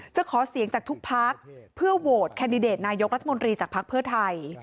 ขอเสียงจากทุกพักเพื่อโหวตแคนดิเดตนายกรัฐมนตรีจากภักดิ์เพื่อไทย